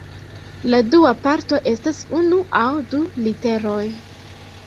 La dua parto estas unu aŭ du literoj.